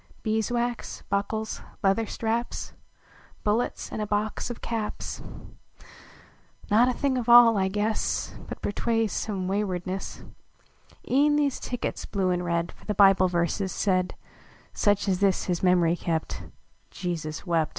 Beeswax buckles leather straps Bullets, and a box of caps, Not a thing of all, I guess, But betrays some waywardness E en these tickets, blue and red, For the Bible verses said Such as this his mem ry kept "Jesus wept."